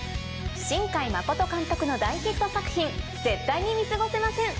新海誠監督の大ヒット作品絶対に見過ごせません。